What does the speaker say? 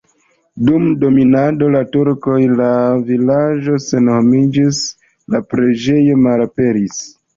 Dum dominado de turkoj la vilaĝo senhomiĝis, la preĝejo malaperis.